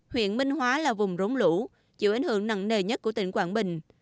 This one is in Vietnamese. huyện minh hóa là vùng rống lũ chịu ảnh hưởng nặng nề nhất của tỉnh quảng bình